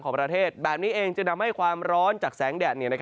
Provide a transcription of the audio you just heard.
ประเทศแบบนี้เองจึงทำให้ความร้อนจากแสงแดด